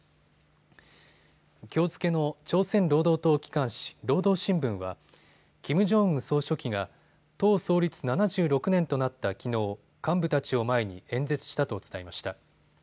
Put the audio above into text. きょう付けの朝鮮労働党機関紙労働新聞はキム・ジョンウン総書記が党創立７６年となったきのう幹部たちを前に演説したと伝えました。